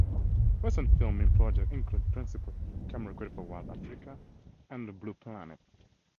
Recent filming projects include principal camera credits for "Wild Africa" and "The Blue Planet".